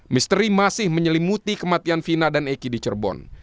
misteri masih menyelimuti kematian fina dan eki di cirebon